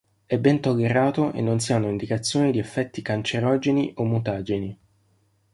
È ben tollerato e non si hanno indicazioni di effetti cancerogeni o mutageni.